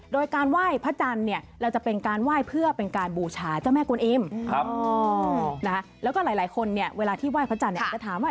โดยการว่ายพระจันทร์เราจะเป็นการว่ายเพื่อเป็นการบูชาเจ้าแม่กุณอิ่ม